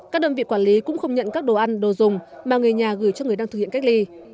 các đơn vị quản lý cũng không nhận các đồ ăn đồ dùng mà người nhà gửi cho người đang thực hiện cách ly